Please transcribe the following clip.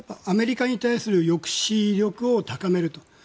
アメリカに対する抑止力を高めると。